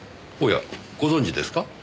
おやご存じですか？